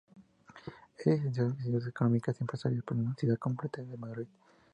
Es licenciado en Ciencias Económicas y Empresariales por la Universidad Complutense de Madrid.